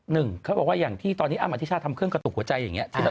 นึงเขาบอกว่าที่อำอธิชาทำเครื่องกระตุกหัวใจอย่างนี้